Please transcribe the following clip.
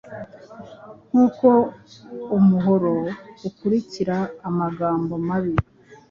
Nkuko umuhoro ukurikira amagambo mabi,